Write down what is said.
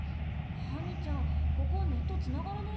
ハミちゃんここネットつながらないよ。